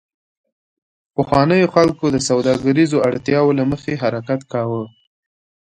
پخوانیو خلکو د سوداګریزو اړتیاوو له مخې حرکت کاوه